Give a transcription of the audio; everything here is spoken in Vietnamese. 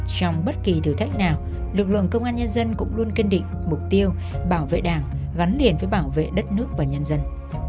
trong bất kỳ thử thách nào lực lượng công an nhân dân cũng luôn kiên định mục tiêu bảo vệ đảng gắn liền với bảo vệ đất nước và nhân dân